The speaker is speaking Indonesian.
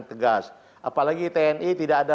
tegas apalagi tni tidak ada